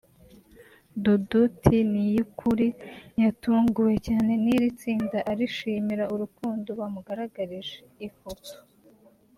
Dudu T Niyukuri yatunguwe cyane n'iri tsinda arishimira urukundo bamugaragarije/Ifoto